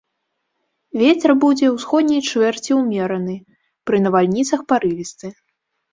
Вецер будзе ўсходняй чвэрці ўмераны, пры навальніцах парывісты.